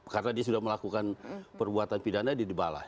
karena dia sudah melakukan perbuatan pidana dia dibalas